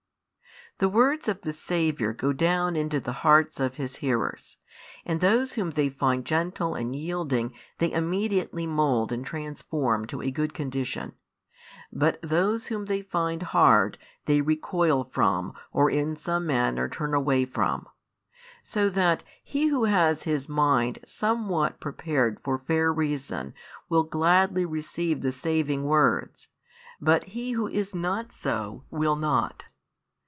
The words of the Saviour go down into the hearts of His hearers, and those whom they find gentle and yielding they immediately mould and transform to a good condition, but those whom they find hard they recoil from or in some manner turn away from. So that he who has his mind somewhat prepared for fair reason will gladly receive the saving words, but he who is not so will not.